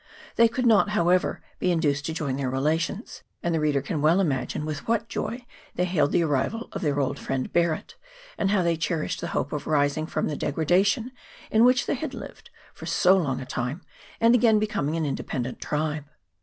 They could not, however, be induced to join their relations, and the reader can well imagine with what joy they hailed the arrival of their old friend Barret, and how they cherished the hope of rising from the degradation in which they had lived for so long a time, and again becom ing an independent tribe.